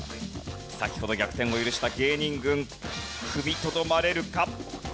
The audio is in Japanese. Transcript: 先ほど逆転を許した芸人軍踏みとどまれるか？